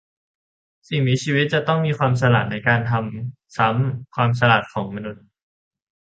สิ่งมีชีวิตจะต้องมีความฉลาดในการทำซ้ำความฉลาดของมนุษย์